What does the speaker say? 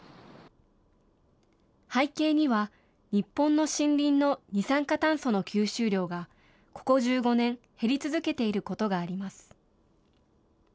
背景には、日本の森林の二酸化炭素の吸収量が、ここ１５年、減り続けていることがあります。